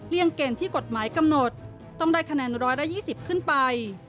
เกณฑ์ที่กฎหมายกำหนดต้องได้คะแนน๑๒๐ขึ้นไป